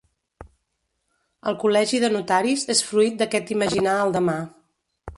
El Col·legi de Notaris és fruit d'aquest imaginar el demà.